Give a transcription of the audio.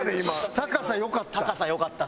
高さ良かった。